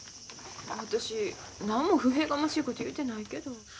私なんも不平がましいこと言うてないけど。